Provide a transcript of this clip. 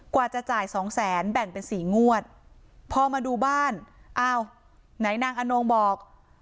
กว่าจะจ่ายสองแสนแบ่งเป็นสี่งวดพอมาดูบ้านอ้าวไหนนางอนงบอก